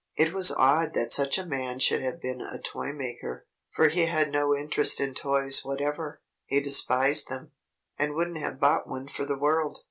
It was odd that such a man should have been a toy maker, for he had no interest in toys whatever. He despised them, and wouldn't have bought one for the world.